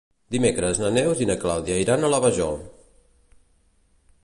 Dimecres na Neus i na Clàudia iran a la Vajol.